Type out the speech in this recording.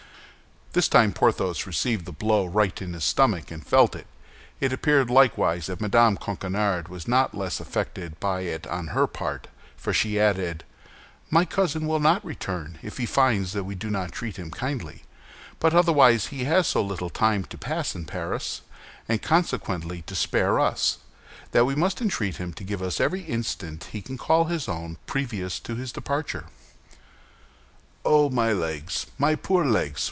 This time Porthos received the blow right in his stomach, and felt it. It appeared likewise that Mme. Coquenard was not less affected by it on her part, for she added, "My cousin will not return if he finds that we do not treat him kindly; but otherwise he has so little time to pass in Paris, and consequently to spare to us, that we must entreat him to give us every instant he can call his own previous to his departure." "Oh, my legs, my poor legs!